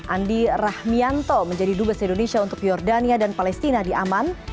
andi rahmianto menjadi dubes indonesia untuk jordania dan palestina di aman